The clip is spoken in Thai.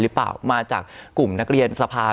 หรือเปล่ามาจากกลุ่มนักเรียนสภา